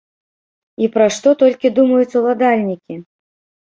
І пра што толькі думаюць уладальнікі?